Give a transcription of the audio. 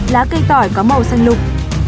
lá cây tỏi có màu xanh lục